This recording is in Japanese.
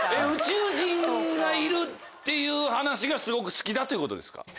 宇宙人がいるっていう話がすごく好きだということですか？